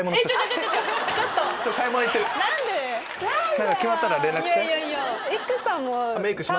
何で⁉決まったら連絡して。